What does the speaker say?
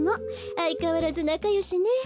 あいかわらずなかよしね。